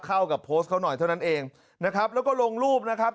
เข้ากับโพสต์เขาหน่อยเท่านั้นเองนะครับแล้วก็ลงรูปนะครับ